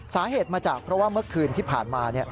สาเหตุมาจากเพราะว่าเมื่อคืนที่ผ่านมา